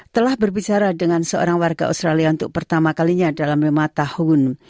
telah berbicara dengan seorang warga australia untuk pertama kalinya dalam lima tahun